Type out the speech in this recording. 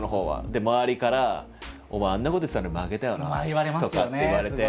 で周りから「お前あんなこと言ってたのに負けたよな」とかって言われて。